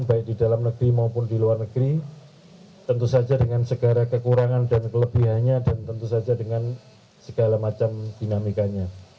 baik di dalam negeri maupun di luar negeri tentu saja dengan segala kekurangan dan kelebihannya dan tentu saja dengan segala macam dinamikanya